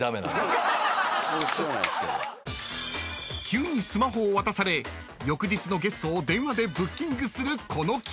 ［急にスマホを渡され翌日のゲストを電話でブッキングするこの企画］